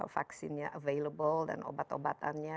vaksinnya available dan obat obatannya